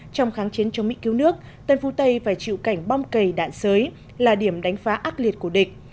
trong kháng chiến chống mỹ cứu nước tân phú tây phải chịu cảnh bom cầy đạn sới là điểm đánh phá ác liệt của địch